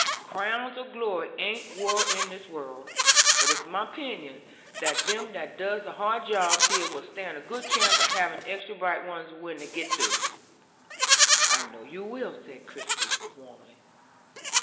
Crowns of glory ain't wore in this world, but it's my 'pinion that them that does the hard jobs here will stand a good chance of havin' extra bright ones when they git through." "I know you will," said Christie, warmly.